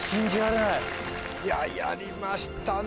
いややりましたね。